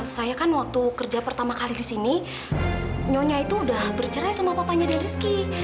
saya kan waktu kerja pertama kali di sini nyonya itu udah bercerai sama papanya dan rizky